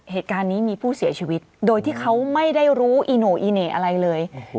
เหตุการณ์นี้มีผู้เสียชีวิตโดยที่เขาไม่ได้รู้อีโน่อีเหน่อะไรเลย